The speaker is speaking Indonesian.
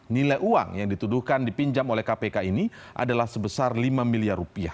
nilai uang yang dituduhkan dipinjam oleh kpk ini adalah sebesar lima miliar rupiah